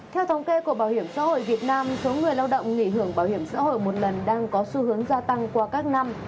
theo thống kê của bảo hiểm xã hội việt nam số người lao động nghỉ hưởng bảo hiểm xã hội một lần đang có xu hướng gia tăng qua các năm